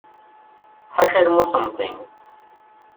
Ḥaca lmuṣenntin.